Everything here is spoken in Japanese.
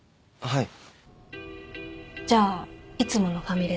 はい。